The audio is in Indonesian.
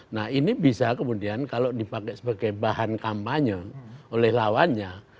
nah ini bisa kemudian kalau dipakai sebagai bahan kampanye oleh lawannya